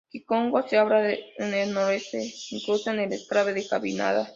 Kikongo se habla en el noroeste, incluido el exclave de Cabinda.